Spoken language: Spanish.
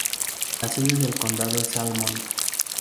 La sede del condado es Salmon.